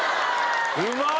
うまい！